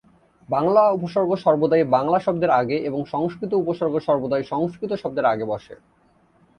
বাংলা উপসর্গ সর্বদাই বাংলা শব্দের আগে এবং সংস্কৃত উপসর্গ সর্বদাই সংস্কৃত শব্দের আগে বসে।